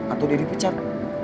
atau dia dipecat